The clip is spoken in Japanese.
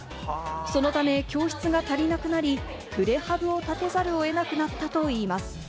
そのため教室が足りなくなり、プレハブを建てざるを得なくなったといいます。